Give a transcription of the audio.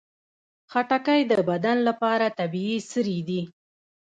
خټکی د بدن لپاره طبیعي سري دي.